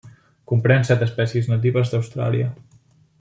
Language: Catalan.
Comprèn set espècies natives d'Austràlia.